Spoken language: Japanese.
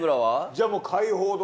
じゃあもう海宝丼。